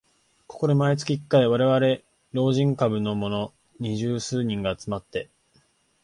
ここで毎月一回、われわれ老人株のもの二十数人が集まって